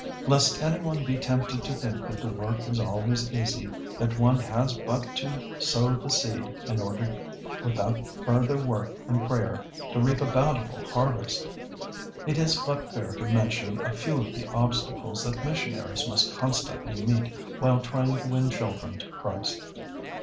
] Lest anyone be tempted to think that the work is always easy, that one has but to sow the seed in order without further work and prayer to reap a bountiful harvest, it is but fair to mention a few of the obstacles that missionaries must constantly meet while trying to win children to Christ.